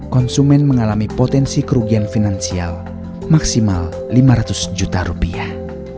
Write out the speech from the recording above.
konsumen mengalami potensi kerugian finansial maksimal lima ratus juta rupiah